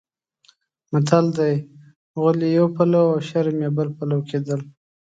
متل دی: غول یې یو پلو او شرم یې بل پلو کېدل.